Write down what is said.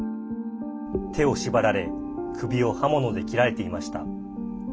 手を縛られ首を刃物で切られていました。